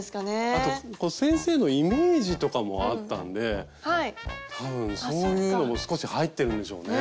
あと先生のイメージとかもあったんで多分そういうのも少し入ってるんでしょうね。